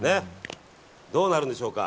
どうなるんでしょうか。